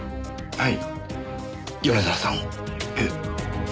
はい。